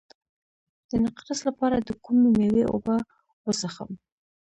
د نقرس لپاره د کومې میوې اوبه وڅښم؟